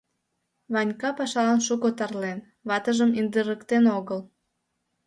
Ванька пашалан шуко тарлен, ватыжым индырыктен огыл.